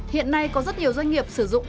hiện nay có rất nhiều doanh nghiệp sử dụng